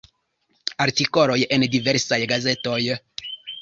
Artikoloj en diversaj gazetoj.